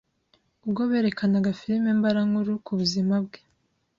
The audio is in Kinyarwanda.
Ubwo berekanaga filime mbarankuru ku buzima bwe